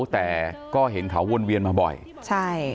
แต่ก็เห็นเขาวนเวียนมาบ่อยใช่